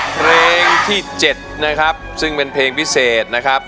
เพลงที่๗นะครับซึ่งเป็นเพลงพิเศษนะครับ